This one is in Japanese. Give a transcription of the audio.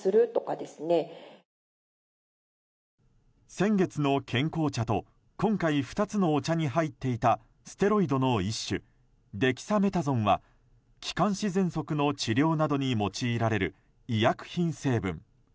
先月の健康茶と今回２つのお茶に入っていたステロイドの１種デキサメタゾンは気管支喘息などの治療に用いられる医薬品成分。